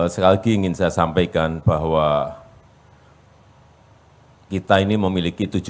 sekali lagi ingin saya sampaikan bahwa kita ini memiliki tujuh belas pulau